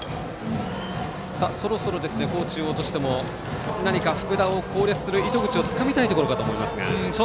そろそろ、高知中央としても福田を攻略する糸口をつかみたいところかと思いますが。